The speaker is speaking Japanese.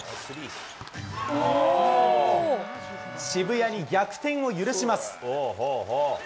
渋谷に逆転を許します。